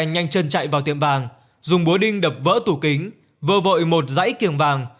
nhanh chân chạy vào tiệm vàng dùng búa đinh đập vỡ tủ kính vơ vội một dãy kiềng vàng